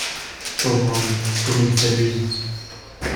Pauvre homme ! comme il s’abuse !